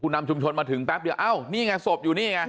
นำชุมชนมาถึงแป๊บเดียวเอ้านี่ไงศพอยู่นี่ไง